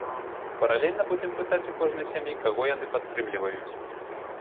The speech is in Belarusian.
Паралельна будзем пытаць у кожнай сям'і, каго яны падтрымліваюць.